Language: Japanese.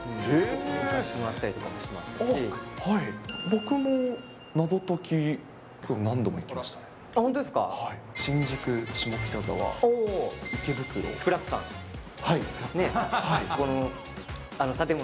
行かしてもらったりもしてま僕も謎解き、何度も行きましたね。